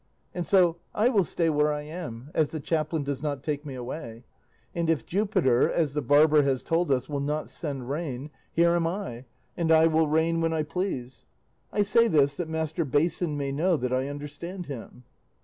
And so I will stay where I am, as the chaplain does not take me away; and if Jupiter, as the barber has told us, will not send rain, here am I, and I will rain when I please. I say this that Master Basin may know that I understand him."